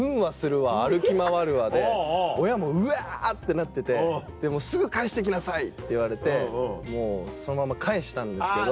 なっててすぐ返して来なさい！って言われてもうそのまま返したんですけど。